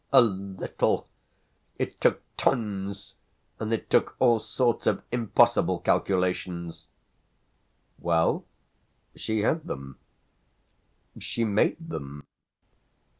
"A little? It took tons! And it took all sorts of impossible calculations." "Well, she had them she made them.